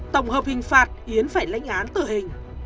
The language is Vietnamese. tổng hợp hình phạt yến phải lãnh án tử hình